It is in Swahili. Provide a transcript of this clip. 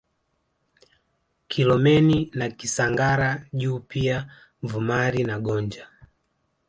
Kilomeni na Kisangara juu pia Vumari na Gonja